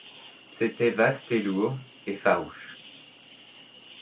C’était vaste et lourd, et farouche.